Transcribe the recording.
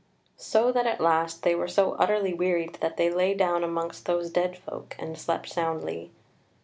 So that at last they were so utterly wearied that they lay down amongst those dead folk, and slept soundly.